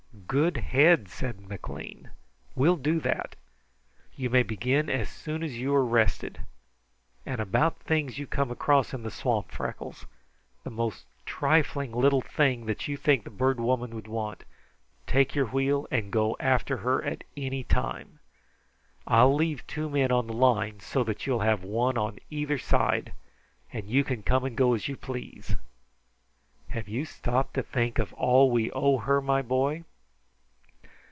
"Good head!" said McLean. "We will do that. You may begin as soon as you are rested. And about things you come across in the swamp, Freckles the most trifling little thing that you think the Bird Woman would want, take your wheel and go after her at any time. I'll leave two men on the line, so that you will have one on either side, and you can come and go as you please. Have you stopped to think of all we owe her, my boy?"